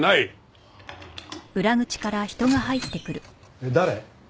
えっ誰？